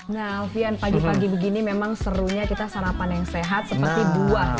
nah alfian pagi pagi begini memang serunya kita sarapan yang sehat seperti buah